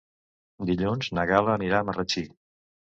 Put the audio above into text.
Dilluns na Gal·la anirà a Marratxí.